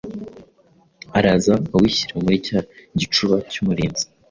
araza awushyira muri cya gicuba cy'umurinzi.